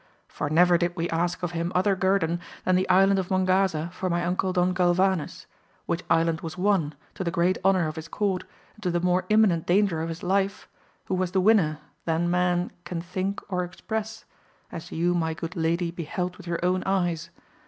For never did we ask of him other guerdon than the Island of Mongaza for my uncle Don Galvanes, which island was won, to the great honour of his court, and to the more imminent danger of his life, who was the winner, than man can think or express, as you my good lady beheld with your own eyes.